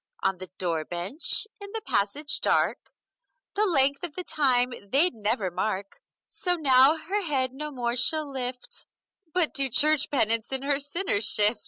On the door bench, in the passage dark, The length of the time they'd never mark. So now her head no more she'll lift, But do church penance in her sinner's shift!